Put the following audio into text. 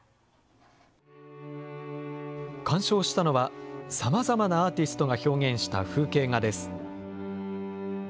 鑑賞したのは、さまざまなアーティストが表現した風景画です。